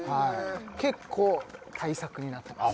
結構大作になってます